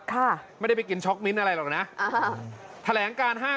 แครกการห้าข้อของเขา